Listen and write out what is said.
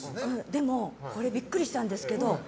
でも、これビックリしたんですけど。